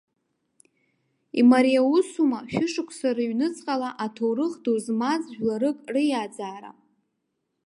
Имариа усума шәышықәса рыҩнуҵҟала аҭоурых ду змаз жәларык риаӡаара?